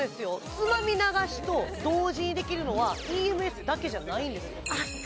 つまみ流しと同時にできるのはＥＭＳだけじゃないんですよ